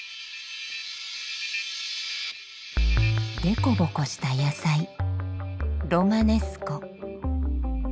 でこぼこした野菜ロマネスコ。